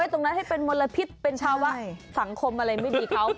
ตรงนั้นให้เป็นมลพิษเป็นภาวะสังคมอะไรไม่ดีเขา